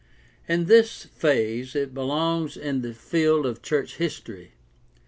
In this phase it belongs in the field of church history.